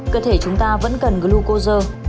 cơ thể chúng ta vẫn cần glucosa